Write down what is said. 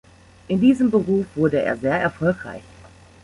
In diesem Beruf wurde er sehr erfolgreich.